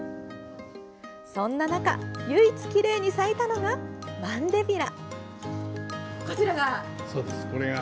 そんな中、唯一きれいに咲いたのがマンデビラ。